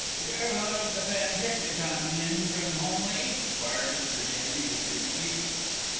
"You're one of the pantechnicon men from Holmleigh?" queried Mr. Gandy with dignity.